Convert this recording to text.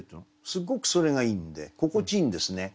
すごくそれがいいんで心地いいんですね。